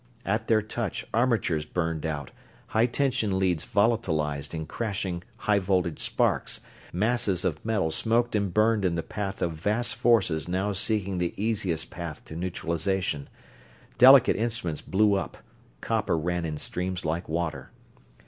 At their touch armatures burned out, high tension leads volatilized in crashing, high voltage sparks, masses of metal smoked and burned in the path of vast forces now seeking the easiest path to neutralization, delicate instruments blew up, copper ran in streams like water.